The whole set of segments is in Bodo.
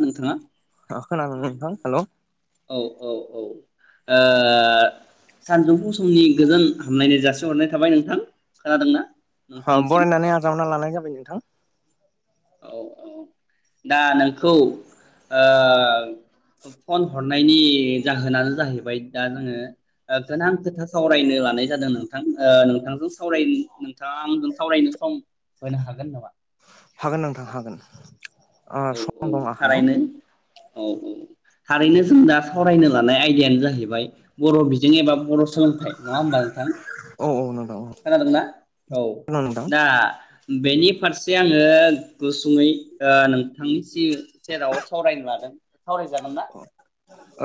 नोंथाङा खोनादों नोंथां हेलौ औ औ औ ओ सानजौफु समनि गोजोन हामलायनाय जासिहरनाय थाबाय नोंथां खोनादोंना? ओ नोंथांनिसिम बरायनानै आजावना लानाय जाबाय। नोंथां औ औ दा नोंखौ ओ फन हरनायनि जाहोनानो जाहैबाय दा जोङो ओ गोनां खोथा सावरायनो लानाय जादों नोंथां ओ नोंथांजों सावरायनि नोंथाङा सावरायनो सम होनो हागोन नामा? हागोन नोंथां हागोन। औ सम औ दं आखायाव थारैनो औ औ थारैनो जों दा सावरायनो लानाय आयदायानो जाहैबाय बर' बिजों एबा बर' सोलोंथाइ नङा होमबा नोंथां? औ औ नंगौ। खोनादोंना औ दा बेनि फारसे आङो गुसुङै ओ नोंथांनि जि जेराव सावरायनो लादों सावरायजागोन ना?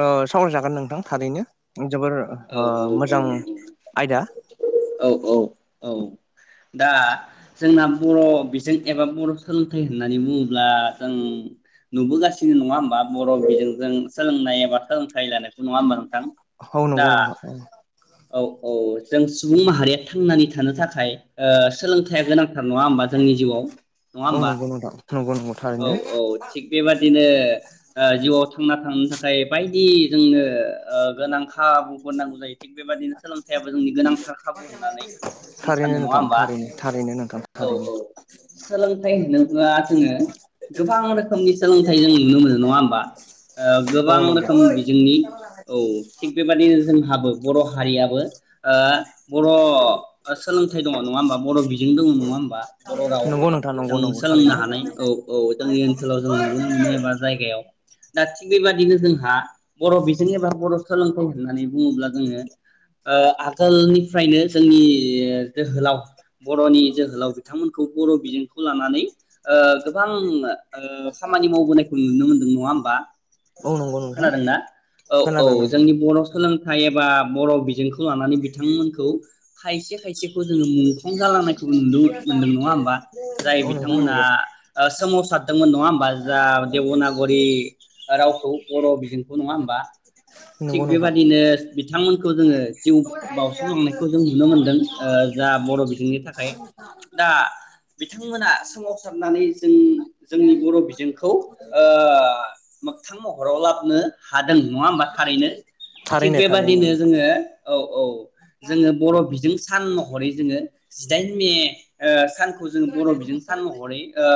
ओ सावरायजागोन नोंथां थारैनो। जोबोर औ ओ मोजां औ औ आयदा औ औ औ दा जोंना बर' बिजों एबा बर' सोलोंथाइ होननानै बुङोब्ला जों नुबोगासिनो नङा होमबा बर' बिजोंजों सोलोंनाय एबा सोलोंथाइ लानायखौ नङा होमबा नोंथां? औ दा नंगौ नोंथां। औ औ जों सुबुं माहारिया थांनानै थानो थाखाय ओ सोलोंथाइया गोनांथार नङा होमबा जोंनि जिउआव। नङा औ होमबा नंगौ नोंथां नंगौ नंगौ। औ थारैनो औ थिग बेबादिनो ओ जिउआव थांना था थांनो थाखाय बायदि जोंनो ओ गोनां खाबुफोर नांगौ जायो। थिग बेबायदिनो सोलोंथाइयाबो जोंनि गोनांथार खाबु होननानै आं थारैनो सानो नङा नोंथां होमबा थारैनो थारैनो नोंथां औ थारैनो औ सोलोंथाइ होनोब्ला जोङो गोबां रोखोमनि सोलोंथाइ जों नुनो मोनो नङा होमबा ओ‌ गोबां औ नंगौ रोखोम बिजोंनि औ थिग बेबादिनो जोंहाबो बर' हारियाबो ओ बर' सोलोंथाइ दङ नङा होमबा बर' बिजों दङ नङा होमबा बर' नंगौ नोंथां नंगौ रावजों नंगौ सोलोंनो थारैनो हानाय औ। जोंनि ओनसोलाव जों नुनो मोनो एबा जायगायाव दा थि बेबायदिनो जोंहा बर' बिजों एबा बर' सोलोंथाइ होननानै बुङोब्ला जोङो ओ आगोलनिफ्रायनो जोंनि जोहोलाव बर'नि जोहोलाव बिथांमोनखौ बर' बिजों लानानै ओ गोबां ओ खामानि मावबोनायखौ नुनो मोनदों नङा होमबा। औ नंगौ नोंथां खोनादोंना औ खोनादों औ नोंथां जोंनि बर' सोलोंथाइ एबा बर' बिजोंखौ लानानै बिथांमोनखौ खायसे खायसे जोङो मुंख्लं जालांनायखौ नुदों मोनदों नङा होमबा जाय औ नोंथां बिथांमोना सोमावसारदोंमोन नङा होमबा जा देबनागरि रावखौ सोमावसारदों नंङा होनबा जा देबनागिरि रावखौ बर' बिजोंखौ नङा होमबा थिग नंगौ नंगौ नोंथां बेबादिनो बिथांमोनखौ जोङो जिउ बाउसोमलांनायखौ जों नुनो मोनदों जा नि थाखाय दा बिथांमोना सोमावसारनानै जों जोंनि बर' बिजोंखौ ओ मोगथां महराव लाबोनो हादों नङा होमबा थारैनो थिग थारैनो बेबादिनो थारैनो जोङो औ औ। जोङो बर' बिजों सान महरै जोंङो जिदाइन मे ओ सान खौ जों बर' बिजों सान महरै ओ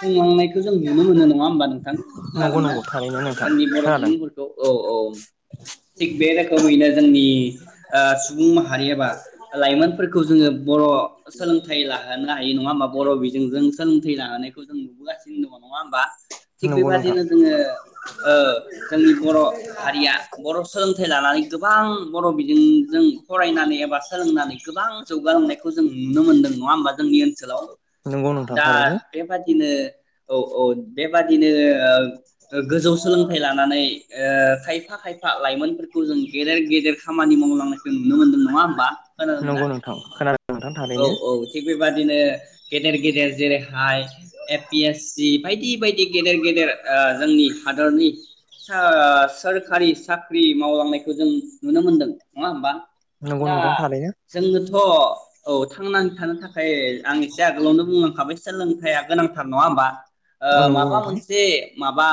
खुंलांनायखौ जों नुनो मोनो नङा होमबा नोंथां नंगौ खोनादोंना नंगौ थारैनो नोंथां जोंनि बर' खोनादों सुबुंफोरखौ औ औ थिग बे रोखोमैनो जों नि ओ सुबुं माहारि एबा लाइमोनफोरखौ जोङो बर' सोलोंथाइ लाहोनो हायो नङा होमबा बर' बिजोंजों ओं थैला। हानायखौ जों नुबोगासिनो दङ। नङा होमबा थिग नंगौ नोंथां बेबादिनो जोङो ओ जोंनि बर' हारिया बर' सोलोंथाइ लानानै गोबां बर' बि जों जों फरायनानै एबा सोलोंनानै गोबां जौगालांनायखौ जों नुनो मोनदों नङा होमबा जोंनि ओनसोलाव नंगौ नोंथां दा थारैनो बेबादिनो औ औ बेबादिनो गोजौ सोलोंथाइ लानानै ओ खायफा खायफा लाइमोनफोरखौ जों गेदेर गेदेर खामानि मावलांनायखौ नुनो मोनदों नङा होमबा खोनादोंना? नंगौ नोंथां खोनादों नोंथां औ थारैनो औ थिग बेबादिनो गेदेर गेदेर जेरै हाय ए पि एस सि बायदि बायदि गेदेर गेदेर ओ जोंनि हादरनि स सोरखारि साख्रि मावलांनायखौ जों नुनो मोनदों नङा होमबा। नंगौ दा नोंथां थारैनो जोङोथ'। औ थांनानै थानो थाखाय आं एसे आगोलावनो बुंलांखाबाय । सोलोंथाइया गोनांथार नङा होमबा। ओ अ नंगौ माबा नोंथां मोनसे माबा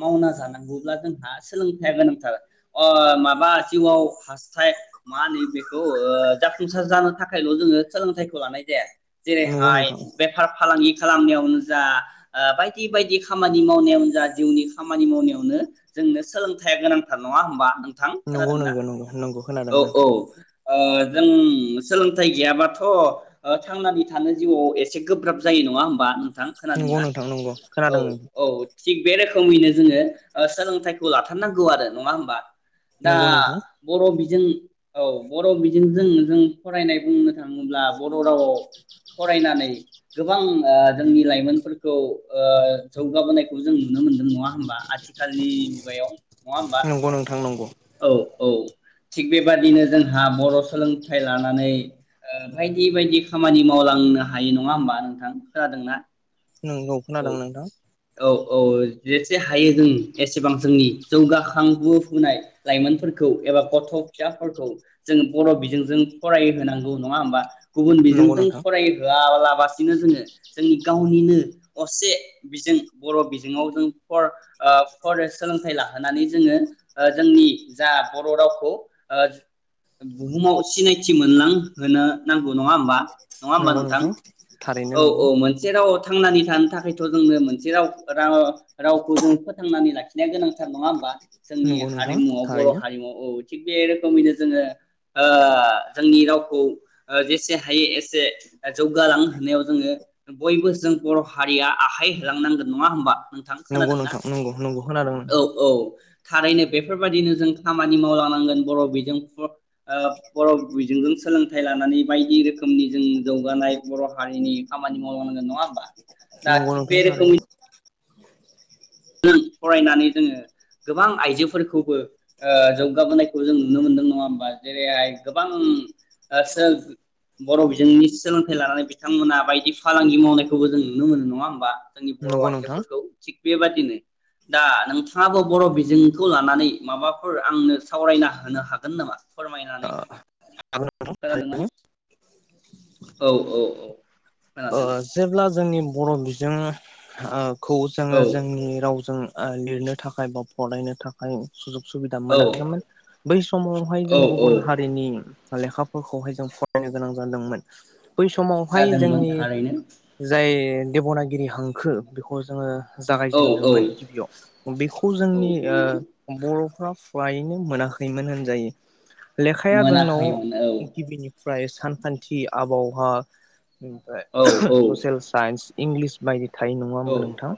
मावना जानांगौब्ला जोंहा सोलोंथाइया गोनांथार अ माबा जिउआव हास थाय मा होनो बेखौ ओ जा संसार जानो थाखायल जोङो सोलोंथाइखौ लानाय जाया। नंगौ जेरैहाय नोंथां बेफार फालांगि खालामनायावनो जा ओ बायदि बायदि खामानि मावनायावनो जा जिउनि खामानि मावनायावनो जोंनो सोलोंथाइा गोनांथार नङा होमबा नों नंगौ नंगौ नंगौ नंगौ। खोनादों औ औ। नोंथां ओ जों सोलोंथाइ गैयाबाथ थांनानै थानो जिउआव एसे गोब्राब जायो नङा होमबा। नोंथां नंगौ खोनादोंना नोंथां नंगौ औ खोनादों ओं। औ थिग बे रोखोमैनो जोङो सोलोंथाइखौ लाथारनांगौ आरो नङा होमबा। दा नंगौ नोंथां बर' बिज जों औ बर' बिजों जों फरायनाय बुंनो थाङोब्ला बर'रावआव फरायनानै गोबां ओ जोंनि लाइमोनफोरखौ ओ जौगाबोनायखौ जों नुनो मोनदों नङा होमबा आथिखालनि मुगायाव नङा होमबा नंगौ नोंथां नंगौ औ औ थिग बेबादिनो जोंहा बर सोलोंथाइ लानानै ओ बायदि बायदि खामानि मावलांनो हायो नङा होमबा नोंथां खोनादोंना? नंगौ खोनादों नोंथां ओ जेसे हायो जों एसेबां जोंनि जौगाखांबोफुनाय लाइमोनफोरखौ एबा गथ' थ' फिसाफोरखौ जोंङ बर बिजोंजों फरायहोनांगौ नङा होमबा गुबुन नंगौ बिजोंजों नोंथां फरायहोआब्ला बासिनो जोङो जों गावनिनो असे बिजों बर' बिजोङाव जों फर ओ फरे सोलोंथाइ लाहोनानै जोङो जोंनि जा बर' रावखौ ओ बुहुमाव सिनायथि मोनलां होनो नांगौ नङा होमबा । नङा होमबा नोंथां थारैनो औ नंगौ औ मोनसे राव थांनानै थानो थाखायथ' जोंनो मोनसे राव रा रावखौ जोङो फोथांनानै लाखिनाया गोनांथार, नङा होमबा? जोंनि नंगौ नोंथां हारिमुवआव बर' थारैनो हारिमु उद थिग बे रोखोमैनो जोङो ओ जोंनि रावखौ ओ जेसे हायो एसे जौगालां होनायाव जोङो बयबो जों बर' हारिया आखाइ होलांनांगोन, नङा होमबा? नोंथां नंगौ खोनादोंना? नोंथां नंगौ नंगौ खोनादों औ नोंथां औ थारैनो बेफोरबायदिनो जों खामानि मावलाना नांगोन बर' बिजों फ ओ बर' बिजोंजों सोलोंथाइ लानानै बायदि रोखोमनि जों जौगानाय बर' हारिनि खामानि मावलांनांगोन, नङा होमबा? दा नंगौ थिग नोंथां बे रोखोमै थारैनो फरायनानै जोङो गोबां आइजोफोरखौबो ओ जौगाबोनायखौ जों नुनो मोनदों नङा होमबा जेरैहाय गोबां ओ सेल्प बर' बिजोंनि सोलोंथाइ लानानै बिथांमोना बायदि फालांगि मावनायखौबो जों नुनो मोनो, नङा होमबा? जोंनि बर' नंगौ नोंथां आइजोफोरखौ थिग बे बादिनो दा नोंथाङाबो बर' बिजोंखौ लानानै माबाफोर आंनो सावरायना होनो हागोन नामा फोरमायनानै खोनादोंना [unintelligible] औ औ औ अ खोनादों जेब्ला जोंनि बर' बिजों ओब खौ जोङो औ जोंनि रावजों ओ लिरनो थाखाय बा फरायनो थाखाय सुजुग सुबिदा औ मोनाखैमोन बै समावहाय जों औ औ गुबुन हारिनि लेखाफोरखौहाय जों फरायनो गोनां जादोंमोन । बै समावहाय जादोंमोन जोंनि थारैनो जाय देब'नागिरि हांखो बेखौ जोङो औ औ जागायजेनदोंमोन गिबियाव बेखौ औ जोंनि ओ नंगौ बर' र' फ्रायैनो मोनाखैमोन होनजायो । लेखाया जोंनाव मोनाखैमोन औ इटिपिनि । फ्राय सानखान्थि आबहावा ओमफाय औ औ ससेल साइन्स। इंलिस बायदि थायो नङा औ होमबा नोंथां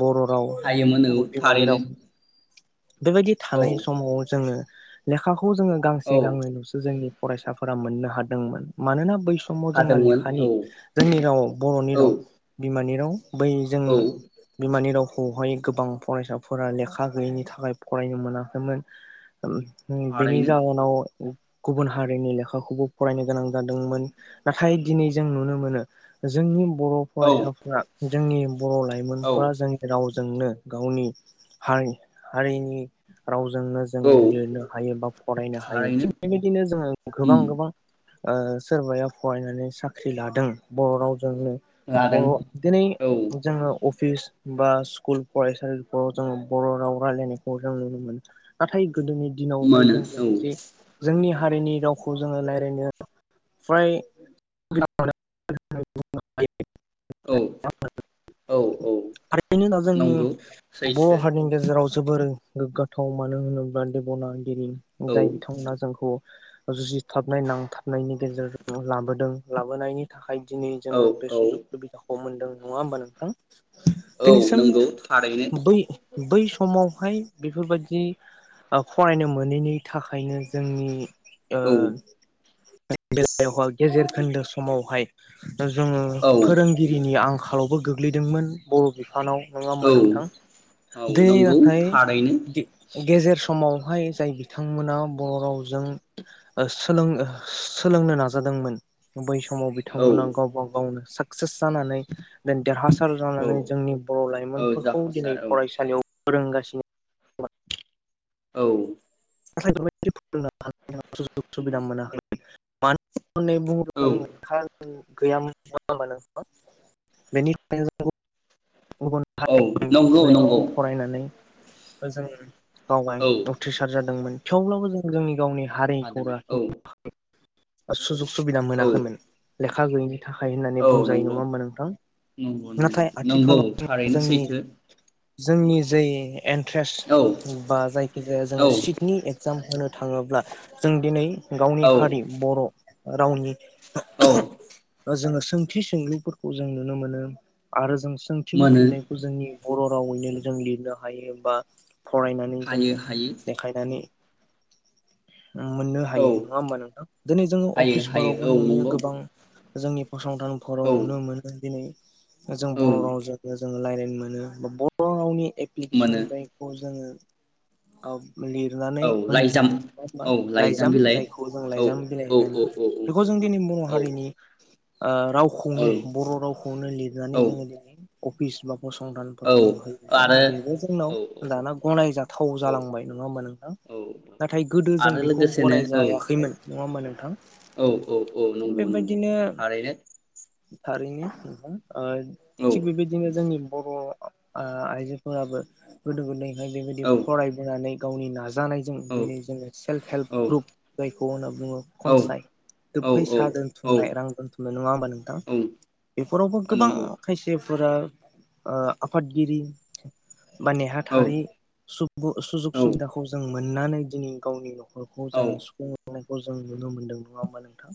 बर' राव हायोमोन औ बिमानि थारैनो राव। बे बायदि औ थानाय समाव जोङो लेखा खौ जोङो औ गांसे गांनै नुसो जोंनि फरायसाफोरा मोननो हादोंमोन मानोना बै स समाव जोंना हादोंमोन लेखानि औ जोंनि राव बर'नि औ राव बि मानि राव बै जों औ बिमानि राव खौहाय गोबां फरायसाफोरा लेखा गैयैनि थाखाय फरायनो मोनाखैमोन। उम उम बेनि थारैनो जाहोनाव गुबुन हारिनि लेखाखौबो फरायनो गोनां जादोंमोन नाथाय दिनै जों नुनो मोनो जोंनि बर' औ फरायसाफ्रा जोंनि बर' औ लाइमोनफ्रा जोंनि राव जोंनो गावनि हारि-हारिनि नि रावजोंनो औ जोङो लिरनो हायो बा फरायनो हायो। थारैनो थिग बेबायदिनो जोङो गोबां उम गोबां ओ सोरबाया फरायनानै साख्रि लादों। बर' राव जोंनो लादों बर' दोनै औ बु जोङो अफ फिस बा सिकुल फरायसालिफ्राव जोङो बर' राव रायलायनायखौ जों नुनो मोनो नाथाय गोदोनि दिनावहाय मोनो जों दोनै जे जोंनि हा हारिनि रावखौ जोङो लायरायनो फ्राय [unintelligible] [unintelligible] [unintelligible] औ औ औ थारैनो दा जोंनि नंगौ बर' सैथो हारिनि गेजेराव जोबोर गोग्गाथाव मानो होनोबा देब'ना गिरि उम जाय औ बिथांमोना जोंखौ जुजिथाबनाय नांथाबनायनि गेजेरजोंनो लाबोदों लाबोनायनि थाखाय दिनै औ जोङो बे औ सुजुग सुबिदाखौ मोन्दों नङा होमबा‌ नोंथां? औ दिनैसोम नंगौ थारैनो बै बै समाव हाय बेफोरबादि ओ फरायनो मोनैनि थाखायनो जोंनि ओ औ [unintelligible] गेजेर खोन्दो समावहाय [unintelligible] ओ जोङो औ फोरोंगिरिनि आं आंखालावबो गोग्लैदोंमोन बर' बिफा सानाव नङा होमबा औ नोंथां औ दिनै नंगौ नाथाय थारैनो गे-गेजेर समाव बेहाय जाय बिथांमोना बर' रावजों ओ सोलों सोलोंनो नाजादोंमोन बै समाव औ बिथांमोना गावबा गावनो साखक्सेस जानानै देरहासार औ जानानै जोंनि बर' औ लाइमोनफोरखौ जाफुंसार दिनै औ फरायसालियाव फोरोंगासिनो खोमा। औ [unintelligible] सुबिदा मोन हो म [unintelligible] होनै बुं औ [unintelligible] गैयामोन नङा होनबा नोंथां बेनि थाखायनो [unintelligible] गुबुन औ हारि नंगौ नंगौ लेखाखौ फरायनानै ओजों गावबाय औ उथ्रिसार ज दोंमोन थेवब्लाबो जों जोंनि गावनि हारिखौ हादों औ लाखिनो [unintelligible] [unintelligible] सुबिदा औ मोनाखैमोन लेखा खा गैयिनि थाखाय होननानै औ बुंजायो नंगौ नङा होमबा नोंथां नंगौ नंगौ नाथाय नंगौ आथिखालाव थारैनो जोंनि सैथो। जोंनि जे एन्ट्रेस औ बा जायखिजाया औ जोङो सिक जाम होनो थाङोब्ला जों दिनै गावनि औ हारि बर' रावनि औ [unintelligible] जोङो सोंथि सोंलुफोरखौ जों नुनो मोनो। आरो जों सोंथिंनि मोनो फिननायखौ जोंनि बर' रावैनो जों लिरनो हायो बा फरायनानै हायो जोङो हायो [unintelligible] बायनानै मोननो औ हायो नङा होमबा नोंथां? दिनै जोङो हायो हायो अफिसफोरावबो औ नुयो नंगौ गोबां जोंनि औ फसंथानफोराव नुनो मोनो दिनै जों औ बर' राव [unintelligible] रायलायनो मोनो। [unintelligible] रावनि एप्लिकेसन मोनो जायखौ जोङो [inaudible] औ। लिरनानै औ होनो लाइजाम मोनो। औ लाइजाम बिलाइ जायखौ जों औ लाइजाम बिलाइ औ होननानै औ बेखौ जों दिनै बर' औ हारिनि ओ रावखौनो बर' रावखौनो औ लिरनानै जोङो दिनै अफिस फसंथानफोराव जों होयोबा आरो बेबो जोंनाव औ दाना गनायजाथाव औ जालांबाय नङा होमबा नोंथां औ नाथाय गोदो जों आरो बेखौ लोगोसेनो औ गनायजायाखैमोन नङा होनबा नोंथां? औ औ थिग नंगौ नंगौ बेबायदिनो थारैनो थारैनो नोंथा। ओ थिग बेबायदिनो जोंनि बर' आ आइजोफोराबो गोदो गोदाय बेबायदि औ फरायबोनानै गावनि नाज जानायजों औ दिनै जोङो सेल्फ हेल्प औ ग्रुप जायखौ होनना बुङो औ खनसाय औ औ फैसा दोनथुमनाय औ रां दोनथुमनाय नङा होमबा नोंथां? बेफोरावबो औ गोबां नंगौ खायसे फोरा ओ आफादगिरि बा औ नेहाथारि सुखु सुजुग औ सुबिदाखौ जों मोननानै दिनै गावनिल' [unintelligible] औ जोङो सुफुंनानै खौ जों नुनो मोन्दों नङा होनबा नोंथां?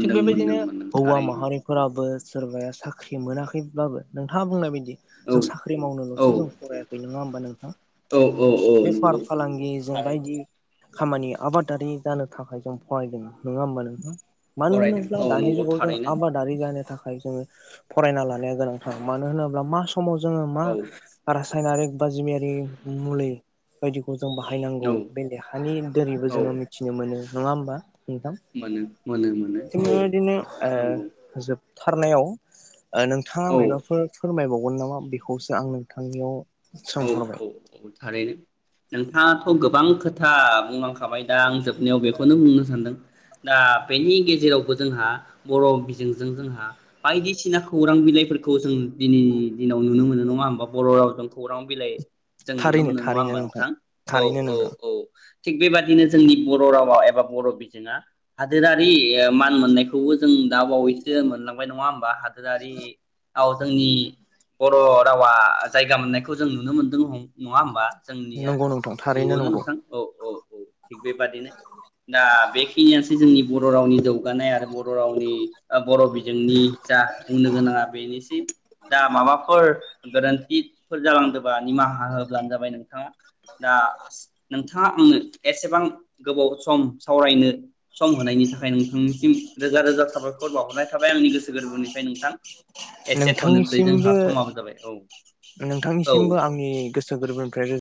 थिग मोनदों बेबायदिनो मोनदों हौवा थारैनो माहारिफोराबो सोरबाया साख्रि मोनाखैब्लाबो नोंथाङा बुंनाय बायदि औ जों साख्रि मावनोल'सो औ जों फरायाखै नङा होमबा नोंथां औ औ बेफार नंगौ फालांगि जों बायदि थारैनो खामानि आबादारि जानो थाखाय जों फरायदों नङा होमबा नोंथा मानो फरायदों होनोब्ला औ दानि नंगौ जुगाव जों थारैनो आबादारि जानो थाखा खाय जोङो फरायना लानाया गोनांथार मा स समाव जोङो मा औ रासायनारिक बा जिमियारि मुलि बायदिखौ जों बाहायनांगौ। औ बे लेहानि दोनैबो औ जोङो मिथिनो मोनो नङा होमबा? [unintelligible] मोनो मोनो मोनो ओ औ नंगौ [unintelligible] थारनायाव नोंथांङा औ मायबाफोर फोरमायबाव [unintelligible] नामा बेखौसो आं नोंथांनियाव औ सोंहरबाय औ औ थारैनो नोंथाङाथ' गोबां खोथा बुंलांखाबाय दा आं जोबनायाव बेखौनो बुंनो सानदों, दा बेनि गेजेरावबो जोंहा बर' बिजोंजों जोंहा बायदिसिना खौरां बिलाइफोरखौ जों दिनैनि दिनाव नुनो मोनो, नङा होमबा? बर' रावजों खौरांबिलाइ जों नुनो थारैनो मोनो नङा थारैनो होमबा नोंथां? औ थारैनो औ नोंथां। औ । थिग बेबादिनो जोंनि बर' रावा एबा बर' बिजोङा हादोरारि ओ मान मोननायखौबो जों दा बावैसो मोनलांबाय नङा होमबा हादोरारि आव जोंनि बर' रावा जायगा [unintelligible] खौ जों नुनो मोन्दों नङा होमबा? जोंनिया नंगौ नोंथां थारैनो नंगौना नंगौ नोंथां औ औ औ थिग बेबादिनो दा बेखिनियानोसै जोंनि बर' रावनि जौगानाय आरो बर' रावनि [unintelligible] बर' बिजोंनि जा बुंनो गोनाङा बेनिसिम दा माबाफोर [unintelligible] फोर जालांदोंबा निमाहा होब्लानो जाबाय नोंथाङा दा नोंथाङा आंनो एसेबां गोबाव सम सावरायनो सम होनायनि थाखाय नोंथांनिसिम रोजा रोजा साबायखर बावहरनाय था जाब आंनि गोसो गोरबोनिफ्राय नोंथां एसे थनोसै नोंथांनिसिमबो जोंहा समाबो जाबाय औ । नोंथांनिसिमबो आंनि गोसो गोरबोनिफ्राय